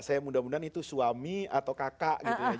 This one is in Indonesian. saya mudah mudahan itu suami atau kakak gitu ya